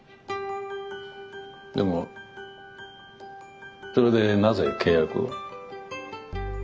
でもそれでなぜ契約を？